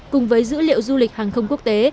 cùng với dữ liệu du lịch hàng không quốc tế